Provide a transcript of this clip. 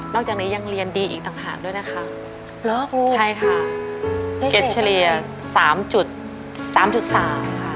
นอกจากนี้ยังเรียนดีอีกประหารด้วยนะคะใช่ค่ะเกตเฉลี่ย๓๓นะคะ